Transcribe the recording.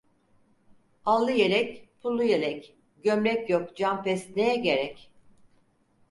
Allı yelek, pullu yelek; gömlek yok canfes neye gerek?